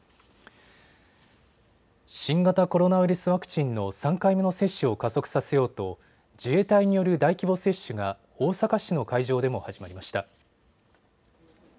新型コロナウイルスワクチンの３回目の接種を加速させようと自衛隊による大規模接種が大阪市の会場でも始まりました。